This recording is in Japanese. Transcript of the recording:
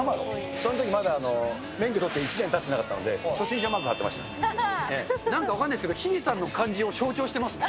そのときまだ免許取って１年たってなかったので、初心者マーク貼なんか分かんないですけど、ヒデさんの感じを象徴してますね。